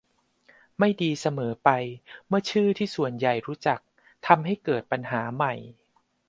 ไม่ดีเสมอไปเมื่อชื่อที่ส่วนใหญ่รู้จักทำให้เกิดปัญหาใหม่